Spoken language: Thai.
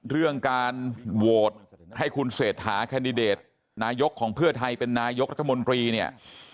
เรื่องการโหวตให้คุณเศรษฐาแคนดิเดตนายกของเพื่อไทยเป็นนายกรัฐมนตรีเนี่ย